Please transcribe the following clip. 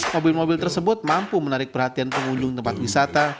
mobil mobil tersebut mampu menarik perhatian pengunjung tempat wisata